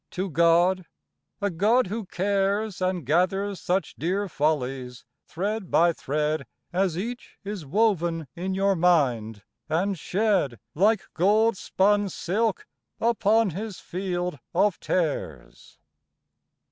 to God, a God who cares, And gathers such dear follies thread by thread As each is woven in your mind, and shed Like gold spun silk upon His field of tares?